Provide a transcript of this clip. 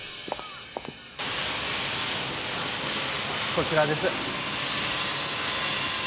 こちらです。